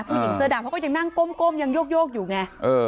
ผู้หญิงเสื้อดำเขาก็ยังนั่งก้มยังโยกอยู่ไง